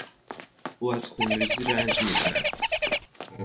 او از خونریزی رنج میبرد.